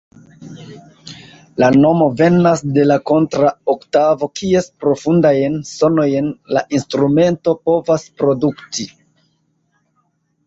La nomo venas de la kontra-oktavo, kies profundajn sonojn la instrumento povas produkti.